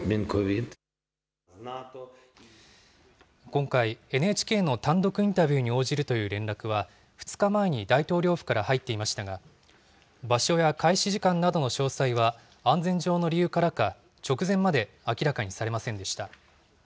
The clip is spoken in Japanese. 今回、ＮＨＫの単独インタビューに応じるという連絡は、２日前に大統領府から入っていましたが、場所や開始時間などの詳細は安全上の理由からか、直前まで明らかにされませんでした。